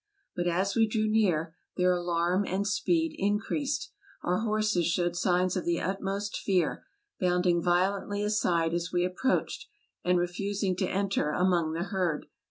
But as we drew near, their alarm and speed increased ; our horses showed signs of the utmost fear, bounding violently aside as we approached, and refus ing to enter among the herd.